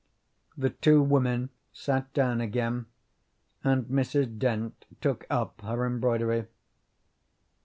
The two women sat down again, and Mrs. Dent took up her embroidery.